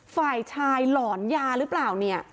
ฝ่ายชายหลอนยาหรือเปล่า